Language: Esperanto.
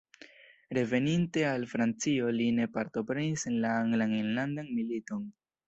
Reveninte al Francio li ne partoprenis en la Anglan enlandan militon.